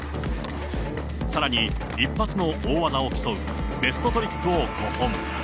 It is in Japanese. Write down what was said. さらに一発の大技を競うベストトリックを５本。